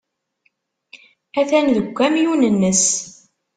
Atan deg ukamyun-nnes.